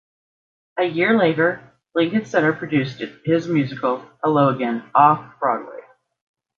A year later, Lincoln Center produced his musical "Hello Again" Off Broadway.